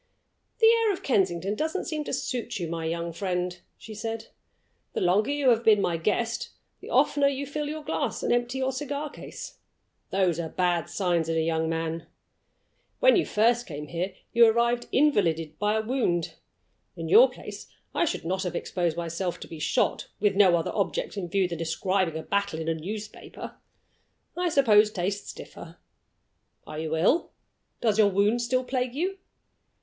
"The air of Kensington doesn't seem to suit you, my young friend," she said. "The longer you have been my guest, the oftener you fill your glass and empty your cigar case. Those are bad signs in a young man. When you first came here you arrived invalided by a wound. In your place, I should not have exposed myself to be shot, with no other object in view than describing a battle in a newspaper. I suppose tastes differ. Are you ill? Does your wound still plague you?"